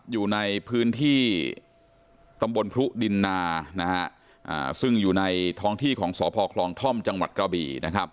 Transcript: อยู่ในพื้นที่ตำบลพรุดินนาซึ่งอยู่ในท้องที่ของสพคลองท่อมจังหวัดกระบี่